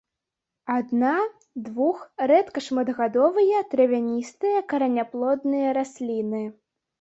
Адна-, двух-, рэдка шматгадовыя травяністыя караняплодныя расліны.